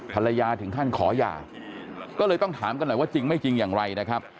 ถึงขั้นขอหย่าก็เลยต้องถามกันหน่อยว่าจริงไม่จริงอย่างไรนะครับ